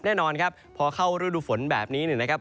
แน่นอนครับพอเข้ารูดูฝนแบบนี้เนี่ยนะครับ